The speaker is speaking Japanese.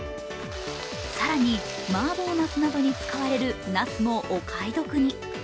更に、マーボーなすなどに使われるなすもお買い得に。